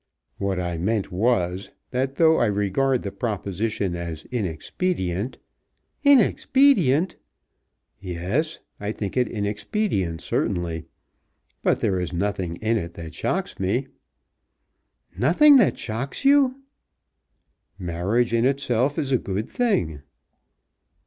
"What I meant was, that though I regard the proposition as inexpedient " "Inexpedient!" "Yes; I think it inexpedient certainly; but there is nothing in it that shocks me." "Nothing that shocks you!" "Marriage in itself is a good thing."